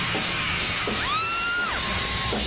ส่วนยังแบร์ดแซมแบร์ด